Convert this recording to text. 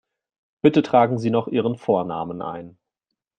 Bitte tragen Sie noch Ihren Vornamen ein.